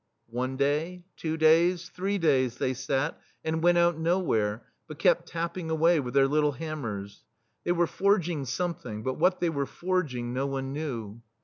One day, two days, three days they sat, and went out nowhere, but kept tapping away with their little ham mers. They were forging something — but what they were forging, no one knew.